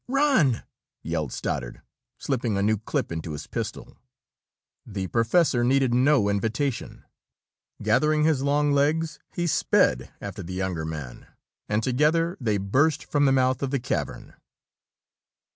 "Run!" yelled Stoddard, slipping a new clip into his pistol. The professor needed no invitation. Gathering his long legs he sped after the younger man, and together they burst from the mouth of the cavern.